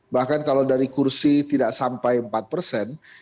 bahkan kalau dari kursi tidak sampai empat persen